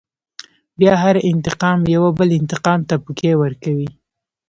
بيا هر انتقام يوه بل انتقام ته پوکی ورکوي.